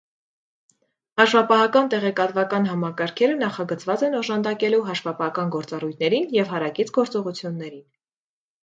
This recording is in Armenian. Հաշվապահական տեղեկատվական համակարգերը նախագծված են օժանդակելու հաշվապահական գործառույթներին և հարակից գործողություններին։